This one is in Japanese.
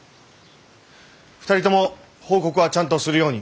２人とも報告はちゃんとするように。